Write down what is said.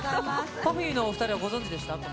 パフィーのお２人はご存じでした？